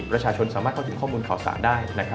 ประชาชนสามารถเข้าถึงข้อมูลข่าวสารได้